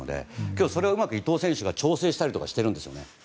けど、それをうまく伊東選手が調整したりしているんですよね。